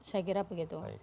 saya kira begitu